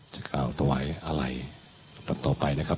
กล่าวถวายอะไรต่อไปนะครับ